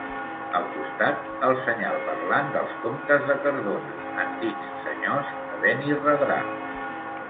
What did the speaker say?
Al costat, el senyal parlant dels comtes de Cardona, antics senyors de Benirredrà.